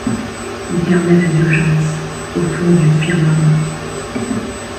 L'éternelle indulgence au fond du firmament